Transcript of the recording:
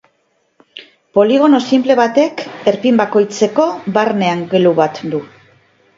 Poligono sinple batek, erpin bakoitzeko barne angelu bat du.